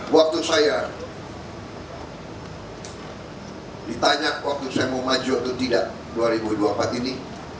waktu saya ditanya waktu saya mau maju atau tidak dua ribu dua puluh empat ini